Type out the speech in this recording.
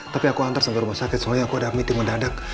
tapi aku antar sampai rumah sakit soalnya aku ada meeting mendadak